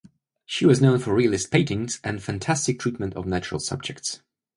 She was known for realist paintings and fantastic treatment of natural subjects.